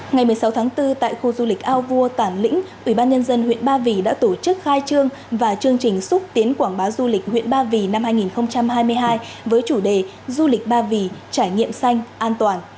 ngày một mươi sáu tháng bốn tại khu du lịch ao vua tản lĩnh ubnd huyện ba vì đã tổ chức khai trương và chương trình xúc tiến quảng bá du lịch huyện ba vì năm hai nghìn hai mươi hai với chủ đề du lịch ba vì trải nghiệm xanh an toàn